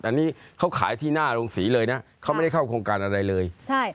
อันนี้เขาขายที่หน้าโรงศรีเลยนะเขาไม่ได้เข้าโครงการอะไรเลย